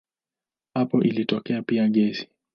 Hapa ilitokea pia gesi.